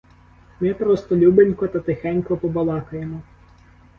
Ми просто любенько та тихенько побалакаємо.